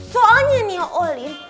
soalnya nih olin